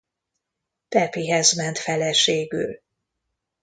Pepihez ment feleségül.